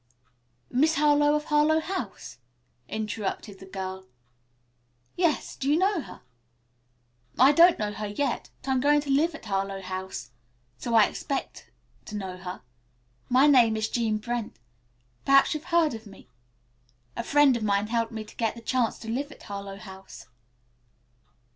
"Miss Harlowe, of Harlowe House?" interrupted the girl. "Yes, do you know her?" "I don't know her yet, but I'm going to live at Harlowe House. So I expect to know her. My name is Jean Brent. Perhaps you've heard of me. A friend of mine helped me to get the chance to live at Harlowe House."